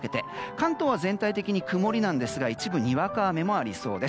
関東は全体的に曇りですが一部にわか雨もありそうです。